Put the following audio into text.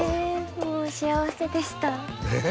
もう幸せでしたええ？